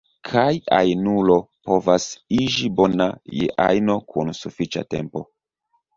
Kaj ajnulo povas iĝi bona je ajno kun sufiĉa tempo.